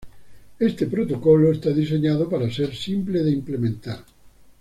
Este protocolo está diseñado para ser simple de implementar.